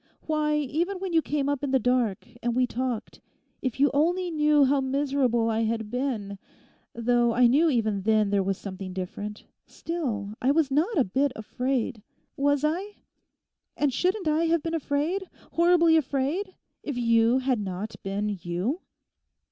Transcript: Why, even when you came up in the dark, and we talked—if you only knew how miserable I had been—though I knew even then there was something different, still I was not a bit afraid. Was I? And shouldn't I have been afraid, horribly afraid, if you had not been _you?